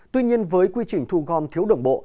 tuy nhiên với quy trình thu gom thiếu đồng bộ